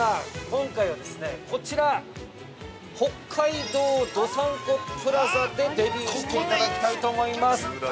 ◆今回はですね、こちら、北海道どさんこプラザでデビューしていただきたいと思います。